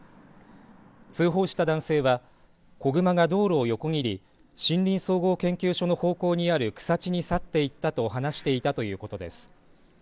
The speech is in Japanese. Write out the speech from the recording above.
通報した男性は子熊が道路を横切り森林総合研究所の方向にある草地に去っていったと話していたということです。